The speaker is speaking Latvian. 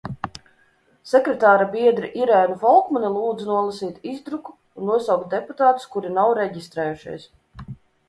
Sekretāra biedri Irēnu Folkmani lūdzu nolasīt izdruku un nosaukt deputātus, kuri nav reģistrējušies.